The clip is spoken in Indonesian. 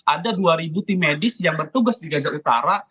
ada dua tim medis yang bertugas di gaza utara